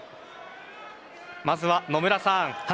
まずは野村さん。